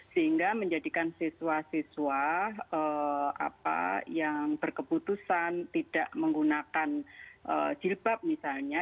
sehingga menjadikan siswa siswa yang berkeputusan tidak menggunakan jilbab misalnya